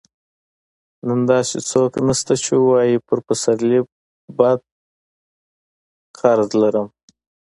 نن داسې څوک نشته چې ووايي پر پسرلي بد قرض لرم.